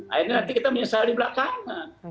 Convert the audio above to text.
akhirnya nanti kita menyesal di belakangan